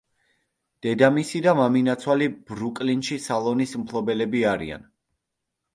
დედამისი და მამინაცვალი ბრუკლინში სალონის მფლობელები არიან.